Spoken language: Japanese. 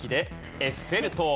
エッフェル塔。